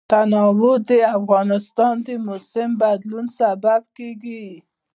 تنوع د افغانستان د موسم د بدلون سبب کېږي.